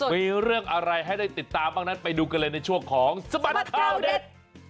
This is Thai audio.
มีเรื่องอะไรให้ได้ติดตามบ้างนั้นไปดูกันเลยในช่วงของสบัดข่าวเด็ด